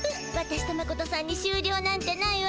私とマコトさんにしゅうりょうなんてないわ。